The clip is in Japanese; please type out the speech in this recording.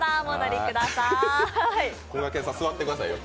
こがけんさん、座ってくださいよ。